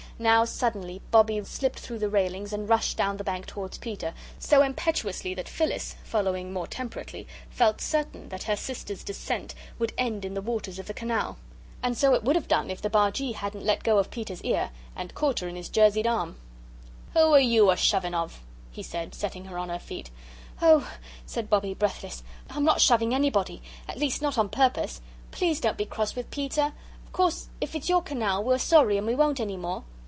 Now suddenly Bobbie slipped through the railings and rushed down the bank towards Peter, so impetuously that Phyllis, following more temperately, felt certain that her sister's descent would end in the waters of the canal. And so it would have done if the Bargee hadn't let go of Peter's ear and caught her in his jerseyed arm. "Who are you a shoving of?" he said, setting her on her feet. "Oh," said Bobbie, breathless, "I'm not shoving anybody. At least, not on purpose. Please don't be cross with Peter. Of course, if it's your canal, we're sorry and we won't any more.